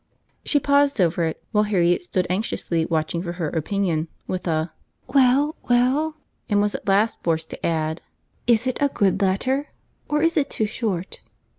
She paused over it, while Harriet stood anxiously watching for her opinion, with a "Well, well," and was at last forced to add, "Is it a good letter? or is it too short?"